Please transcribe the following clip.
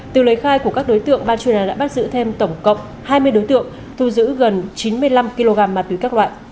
từ lấy khai của các đối tượng ban chuyên án đã bắt giữ thêm tổng cộng hai mươi đối tượng thu giữ gần chín mươi năm kg ma túy các loại